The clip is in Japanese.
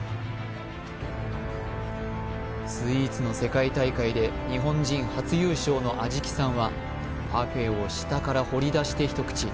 スイーツの世界大会で日本人初優勝の安食さんはパフェを下から掘り出して一口